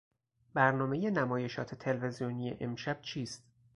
برنامهی نمایشات تلویزیونی امشب چیست؟